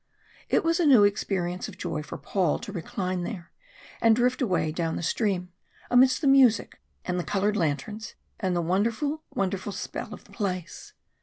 It was a new experience of joy for Paul to recline there, and drift away down the stream, amidst the music and the coloured lanterns, and the wonderful, wonderful spell of the place.